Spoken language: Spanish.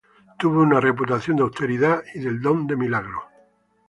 Tuvo una reputación de austeridad y del don de milagros.